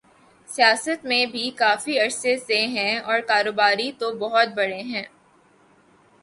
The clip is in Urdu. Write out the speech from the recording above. سیاست میں بھی کافی عرصے سے ہیں اور کاروباری تو بہت بڑے ہیں۔